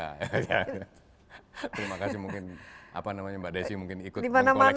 terima kasih mungkin mbak desi mungkin ikut mengkoleksi juga